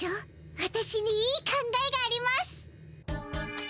わたしにいい考えがあります。